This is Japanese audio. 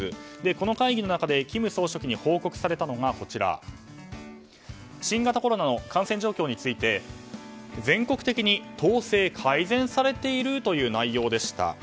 この会議の中で金総書記に報告されたのが新型コロナの感染状況について全国的に統制改善されているという内容でした。